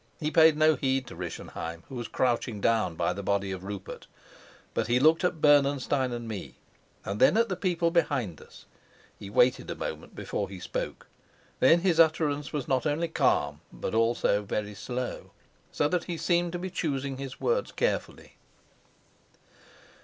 He paid no heed to Rischenheim, who was crouching down by the body of Rupert; but he looked at Bernenstein and me, and then at the people behind us. He waited a moment before he spoke; then his utterance was not only calm but also very slow, so that he seemed to be choosing his words carefully.